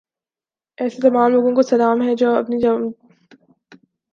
ایسے تمام لوگوں کو سلام ہے جو اپنی جان کو خطرے میں ڈال کر عوام کی حفاظت کر رہے ہیں۔